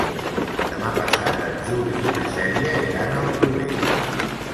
Demà passat en Juli i na Cèlia iran a Alcover.